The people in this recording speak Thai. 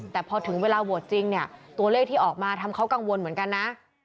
แต่พอถึงเวลาโหวตจริงเนี่ยตัวเลขที่ออกมาทำเขากังวลเหมือนกันนะ